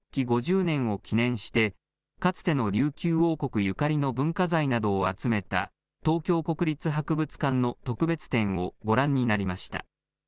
天皇皇后両陛下は、沖縄の本土復帰５０年を記念して、かつての琉球王国ゆかりの文化財などを集めた、東京国立博物館の特別展をご覧になりました。